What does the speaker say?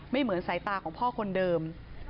เหมือนสายตาของพ่อคนเดิม